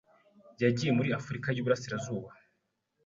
yagiye muri Afurika y'Iburasirazuba